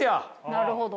なるほど。